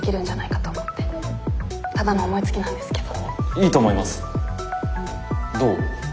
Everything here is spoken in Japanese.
いいと思います。